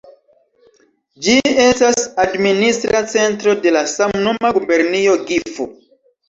Ĝi estas administra centro de la samnoma gubernio Gifu.